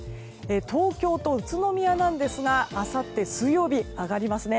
東京と宇都宮なんですがあさって水曜日上がりますね。